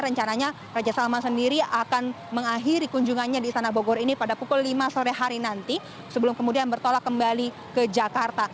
rencananya raja salman sendiri akan mengakhiri kunjungannya di istana bogor ini pada pukul lima sore hari nanti sebelum kemudian bertolak kembali ke jakarta